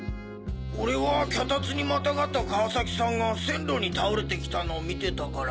俺は脚立にまたがった川崎さんが線路に倒れてきたのを見てたから。